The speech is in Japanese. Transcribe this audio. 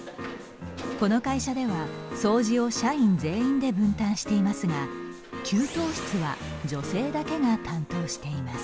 この会社では掃除を社員全員で分担していますが給湯室は女性だけが担当しています。